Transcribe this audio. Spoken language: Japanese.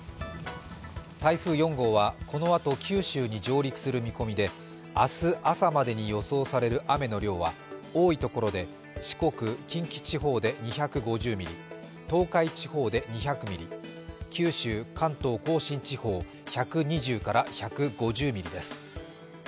台風４号はこのあと九州に上陸する見込みで明日朝までに予想される雨の量は多い所で四国、近畿地方で２５０ミリ、東海地方で２００ミリ、九州、関東甲信地方、１２０１５０ミリです。